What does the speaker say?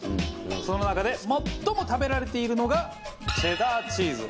その中で最も食べられているのがチェダーチーズ。